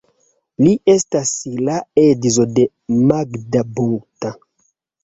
Li estas la edzo de Magda Bunta.